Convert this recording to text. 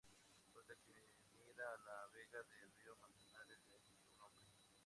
Puerta que mira a la vega del río Manzanares, de ahí su nombre.